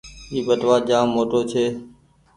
اي ٻٽوآ جآم موٽو ڇي۔